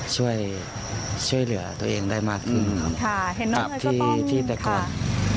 ช่วยช่วยเหลือตัวเองได้มากขึ้นครับครับที่ที่ตะกอนครับ